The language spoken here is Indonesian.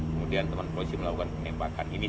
kemudian teman polisi melakukan penembakan ini